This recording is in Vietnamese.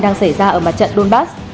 đang xảy ra ở mặt trận donbass